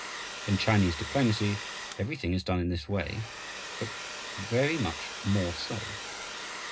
In Chinese diplomacy everything is done in this way, but very much more so.